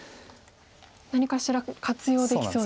何かしら活用できそうですね。